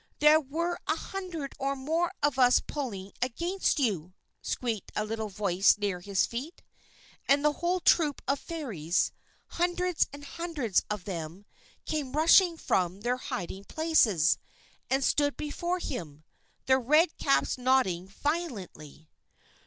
There were a hundred or more of us pulling against you!" squeaked a little voice near his feet, and the whole troop of Fairies hundreds and hundreds of them came rushing from their hiding places, and stood before him, their red caps nodding violently.